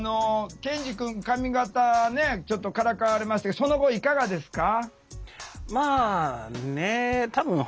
ケンジくん髪形ねちょっとからかわれましたけどその後いかがですか？